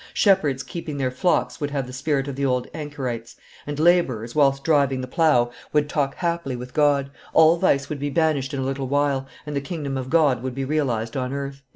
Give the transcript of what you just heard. "Shepherds keeping their flocks would have the spirit of the old anchorites; and laborers, whilst driving the plough, would talk happily with God: all vice would be banished in a little while, and the kingdom of God would be realized on earth."